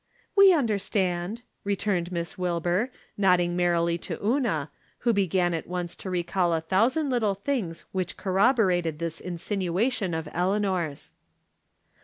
" We understand," returned Miss Wilbur, nodding merrUy to Una, who began at once to recall a thousand little things which corroberated this insinuation of Eleanor's.